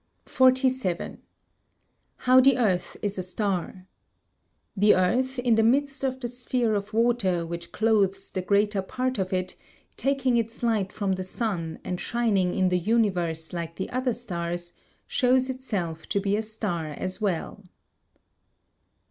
47. How the earth is a star. The earth, in the midst of the sphere of water which clothes the greater part of it, taking its light from the sun and shining in the universe like the other stars, shows itself to be a star as well.